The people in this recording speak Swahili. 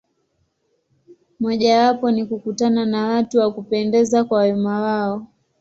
Mojawapo ni kukutana na watu wa kupendeza kwa wema wao.